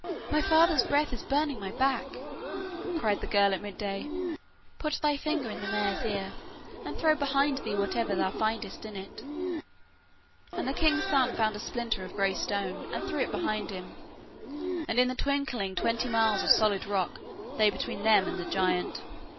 'My father's breath is burning my back,' cried the girl at midday. 'Put thy finger in the mare's ear and throw behind thee whatever thou findest in it,' and the king's son found a splinter of grey stone, and threw it behind him, and in a twinkling twenty miles of solid rock lay between them and the giant.